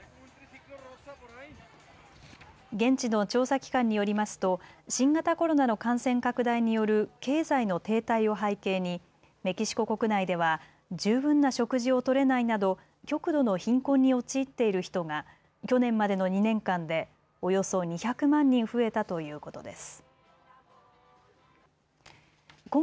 現地の調査機関によりますと新型コロナの感染拡大による経済の停滞を背景にメキシコ国内では十分な食事をとれないなど極度の貧困に陥っている人が去年までの２年間でおよそ２００万人増えたということです。